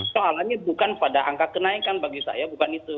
soalannya bukan pada angka kenaikan bagi saya bukan itu